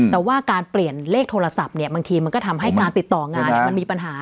แต่ว่าการเปลี่ยนเลขโทรศัพท์เนี่ยบางทีมันก็ทำให้การติดต่องานมันมีปัญหา